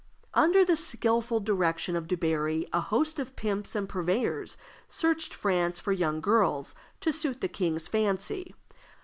Under the skillful directions of Dubarry, a host of pimps and purveyors searched France for young girls to suit the king's fancy.